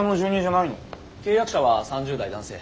契約者は３０代男性。